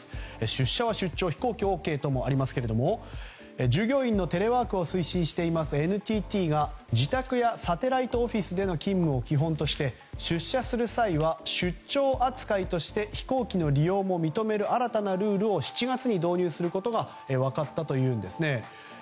出社は出張、飛行機はＯＫとありますけれども従業員のテレワークを推進していますＮＴＴが自宅やサテライトオフィスでの勤務を基本として出社の際は勤務扱いをするという新たなルールを導入することが分かったというんです。